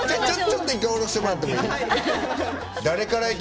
ちょっと、一回下ろしてもらってもいい？